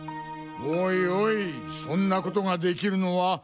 おいおいそんな事ができるのは。